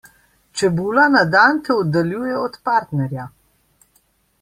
Čebula na dan te oddaljuje od partnerja.